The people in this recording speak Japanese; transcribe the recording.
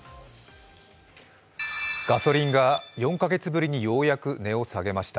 ガソリンが４か月ぶりにようやく値を下げました。